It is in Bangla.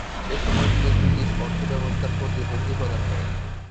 এসময় তিনি ব্রিটিশ অর্থ ব্যবস্থার প্রতি হুমকি প্রদান করেন।